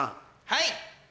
はい。